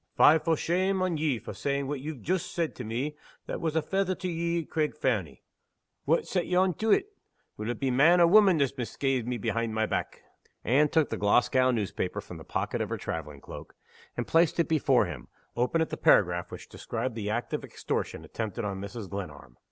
Fie for shame on ye for saying what ye've joost said to me that was a fether to ye at Craig Fernie! Wha' set ye on to it? Will it be man or woman that's misca'ed me behind my back?" Anne took the Glasgow newspaper from the pocket of her traveling cloak, and placed it before him, open at the paragraph which described the act of extortion attempted on Mrs. Glenarm.